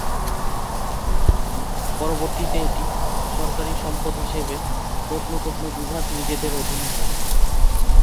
পরবর্তীতে এটি সরকারি সম্পদ হিসেবে প্রত্নতত্ত্ব বিভাগ নিজেদের অধীনে নেয়।